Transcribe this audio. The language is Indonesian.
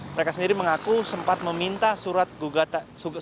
mereka sendiri mengaku sempat meminta surat gugatan peradilan